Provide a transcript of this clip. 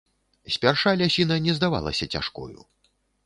Спярша лясіна не здавалася цяжкою.